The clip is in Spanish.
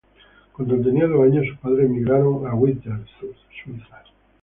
Cuando tenía dos años sus padres emigraron a Winterthur, Suiza.